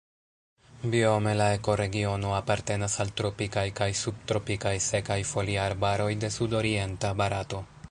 Biome la ekoregiono apartenas al tropikaj kaj subtropikaj sekaj foliarbaroj de sudorienta Barato.